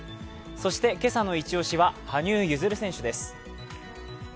そして今朝のイチ押しは羽生結弦選手です。